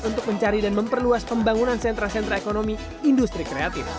untuk mencari dan memperluas pembangunan sentra sentra ekonomi industri kreatif